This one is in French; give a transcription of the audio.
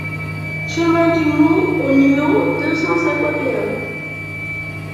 Chemin du Moure au numéro deux cent cinquante et un